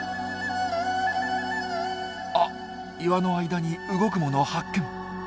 あっ岩の間に動くもの発見。